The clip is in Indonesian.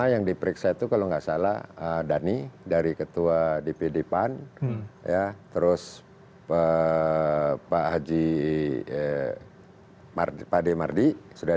yang diperiksa itu kalau nggak salah dhani dari ketua di pdpan ya terus pak haji mardi sudah